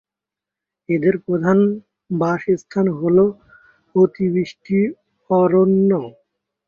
এদের প্রধান বাসস্থান হল অতিবৃষ্টি অরণ্য।